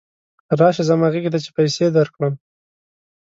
راشه زما غېږې ته چې پیسې درکړم.